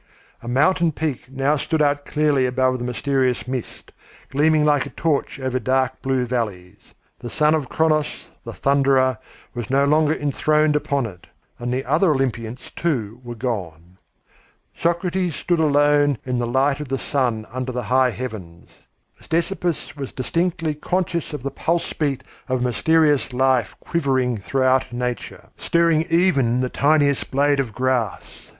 A mountain peak now stood out clearly above the mysterious mist, gleaming like a torch over dark blue valleys. The son of Cronos, the thunderer, was no longer enthroned upon it, and the other Olympians too were gone. Socrates stood alone in the light of the sun under the high heavens. Ctesippus was distinctly conscious of the pulse beat of a mysterious life quivering throughout nature, stirring even the tiniest blade of grass.